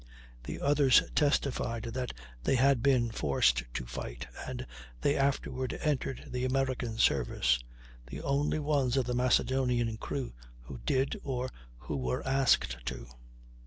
The others testified that they had been forced to fight, and they afterward entered the American service the only ones of the Macedonian's crew who did, or who were asked to.